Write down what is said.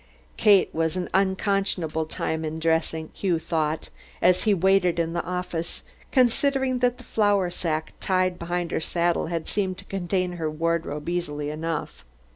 Kate was an unconscionable time in dressing, Hugh thought, as he waited in the office, considering that the flour sack tied behind her saddle had seemed to contain her wardrobe easily enough.